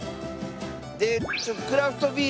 でクラフトビールをね